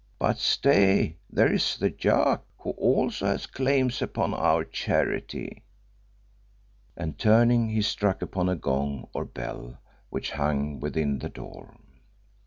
But stay, there is the yak, who also has claims upon our charity," and, turning, he struck upon a gong or bell which hung within the door.